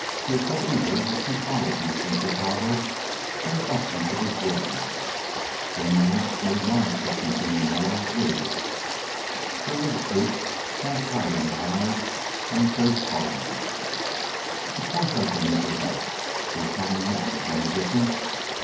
She is so eager that she follows you from Chicago clear up into this wilderness. Then you won't need my assistance any more, will you?" Her lids drooped, half hiding her eyes, and her face hardened. "Of course I shall need your help. Her coming won't make any difference."